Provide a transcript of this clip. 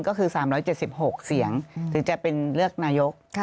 ก็คือ๓๗๖เสียงถึงจะเป็นเลือกนายก